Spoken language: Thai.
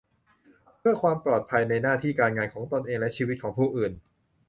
เพื่อความปลอดภัยในหน้าที่การงานของตนเองและชีวิตของผู้อื่น